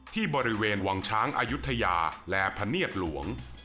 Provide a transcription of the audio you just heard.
ที่บริเวณวังช้างอายุทยาและพะเนียดหลวง